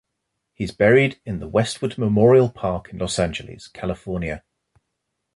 He is buried in the Westwood Memorial Park in Los Angeles, California.